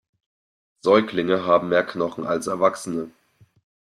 Säuglinge haben mehr Knochen als Erwachsene.